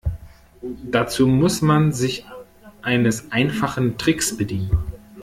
Dazu muss man sich eines einfachen Tricks bedienen.